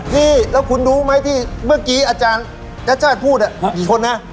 นี่แล้วคุณดูไหมที่เมื่อกี้อาจารย์พูดกี่คนนะ